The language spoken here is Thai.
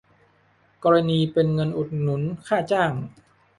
กรณีเป็นเงินอุดหนุนค่าจ้าง